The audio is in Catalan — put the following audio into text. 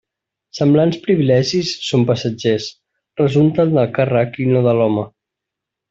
Semblants privilegis són passatgers; resulten del càrrec i no de l'home.